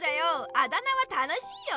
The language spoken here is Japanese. あだ名は楽しいよ。